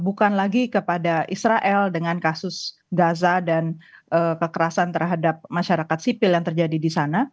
bukan lagi kepada israel dengan kasus gaza dan kekerasan terhadap masyarakat sipil yang terjadi di sana